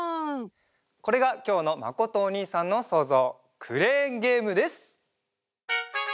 これがきょうのまことおにいさんのそうぞうクレーンゲームです！